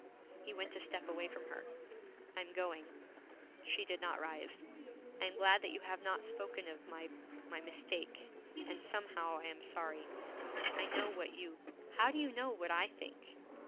He went a step away from her. 'I'm going.' She did not rise. 'I am glad you have not spoken of my my mistake; and somehow I am sorry. I know what you ' 'How do you know what I think?'